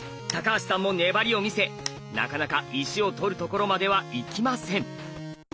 橋さんも粘りをみせなかなか石を取るところまではいきません。